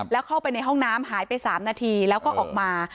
แล้วเข้าไปในห้องน้ำหายไป๓นาทีแล้วก็ออกมา